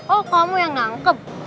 oh kamu yang mengangkep